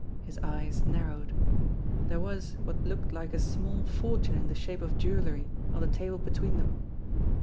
His eyes narrowed. There was what looked like a small fortune in the shape of jewellery on the table between them.